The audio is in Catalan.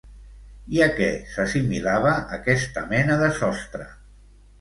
I a què s'assimilava aquesta mena de sostre?